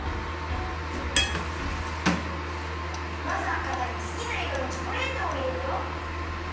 まずはかたにすきないろのチョコレートをいれるよ。